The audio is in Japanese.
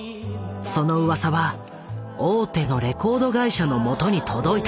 そのうわさは大手のレコード会社の元に届いた。